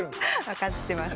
分かってます。